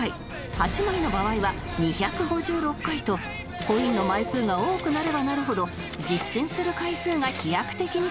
８枚の場合は２５６回とコインの枚数が多くなればなるほど実践する回数が飛躍的に増えるのです